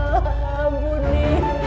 kalau elsa itu pelakunya